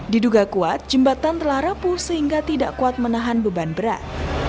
diduga kuat jembatan telah rapuh sehingga tidak kuat menahan beban berat